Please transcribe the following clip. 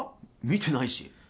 見てないし。